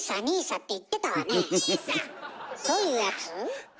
どういうやつ？